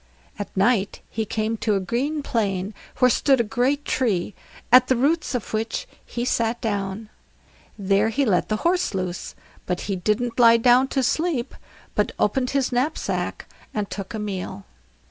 At night he came to a green plain where stood a great tree, at the roots of which he sat down. There he let the horse loose, but he didn't lie down to sleep, but opened his knapsack and took a meal.